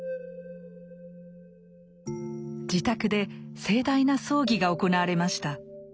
自宅で盛大な葬儀が行われました。